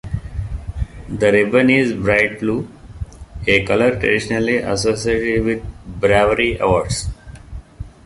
The ribbon is bright blue, a colour traditionally associated with bravery awards.